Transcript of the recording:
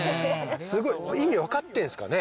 意味分かってるんですかね。